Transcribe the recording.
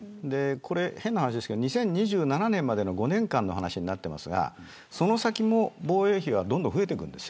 変な話ですが２０２７年までの５年間の話になっていますがその先も防衛費はどんどん増えていくんです。